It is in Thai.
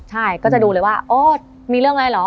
ใช่ก็จะดูเลยว่าโอ้มีเรื่องอะไรเหรอ